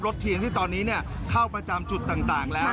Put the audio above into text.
รถเทียนที่ตอนนี้เนี่ยเข้าประจำจุดต่างแล้ว